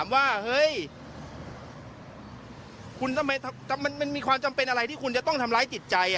มันมีความจำเป็นอะไรที่คุณจะต้องทำร้ายติดใจ